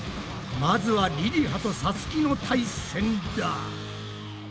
まずはりりはとさつきの対戦だ！